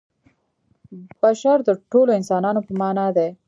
بشر د ټولو انسانانو په معنا دی.